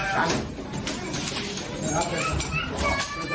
เข้าไป